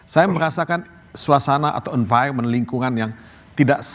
saya merasakan suasana atau environment lingkungan yang tidak